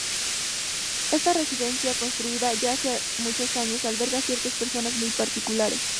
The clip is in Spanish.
Esta residencia, construida ya hace muchos años, alberga a ciertas personas muy particulares.